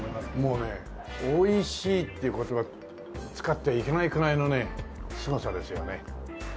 もうね美味しいっていう言葉使っちゃいけないくらいのねすごさですよね。